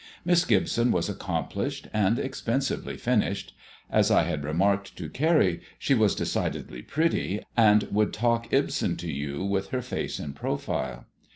Miss Gibson was accomplished, and expensively finished. As I had remarked to Carrie, she was decidedly pretty, and would talk Ibsen to you with her face in profile.